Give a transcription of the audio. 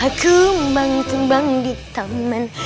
aku membangit hembang di taman